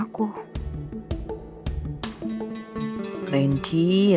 aku mau nginep di pendok pelita